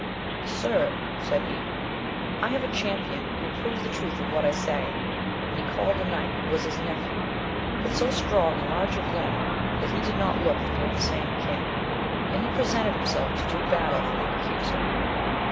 Sir, said he, I have a champion who will prove the truth of what I say ; and he called a knight, who was his nephew, but so strong and large of limb, that he did not look to be of the same kin, and he presented himself to do battle for the accuser.